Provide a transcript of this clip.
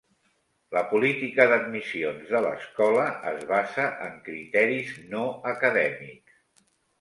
La política d'admissions de l'escola es basa en criteris no acadèmics.